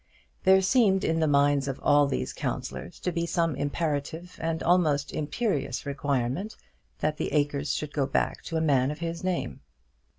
There seemed in the minds of all these councillors to be some imperative and almost imperious requirement that the acres should go back to a man of his name.